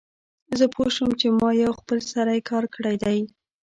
زه پوه شوم چې ما یو خپل سری کار کړی دی